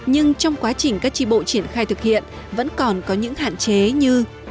nhưng trong quá trình các tri bộ triển khai thực hiện vẫn còn có những hạn chế như